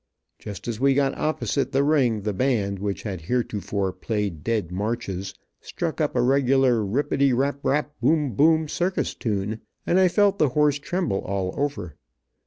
Just as we got opposite the ring, the band, which had heretofore played dead marches, struck up a regular ripety rap rap boom boom circus tune, and I felt the horse tremble all over.